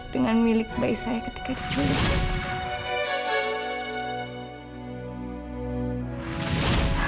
dengan milik bayi saya ketika diculik